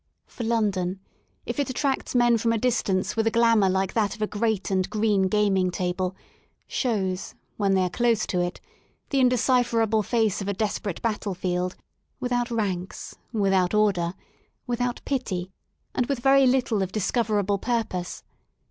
For London, if it attracts men from a distance with a glamour like that of a great and green gaming table, shows, when they are close to it, the indecipherable face of a desperate battle field, without ranks, without order, without pity and with very little of discoverable purpose.